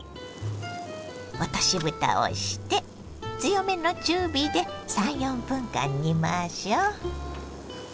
落としぶたをして強めの中火で３４分間煮ましょ。